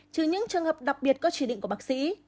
trừ những trường hợp đặc biệt có chỉ định của bác sĩ